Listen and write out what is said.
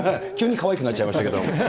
急にかわいくなっちゃいましたけど。